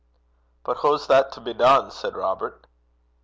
'But hoo's that to be dune?' said Robert.